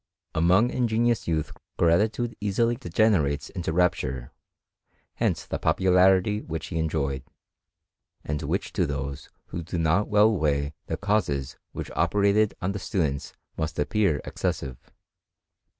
Among ingenuous youth gratitude easily degenerates into rapture ; hence the popularity which he enjoyed, and which to those who do not well weigh the causes which operated on the students must appear excessive.